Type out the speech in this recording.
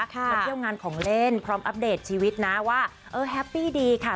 มาเที่ยวงานของเล่นพร้อมอัปเดตชีวิตนะว่าเออแฮปปี้ดีค่ะ